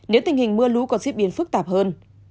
nếu tình hình mưa lũ còn diễn biến phức tạp hơn